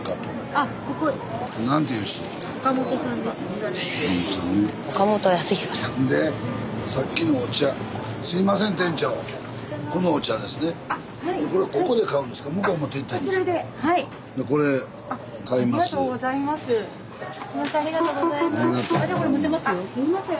あすいません